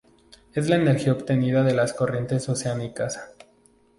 Es la energía obtenida de las corrientes oceánicas.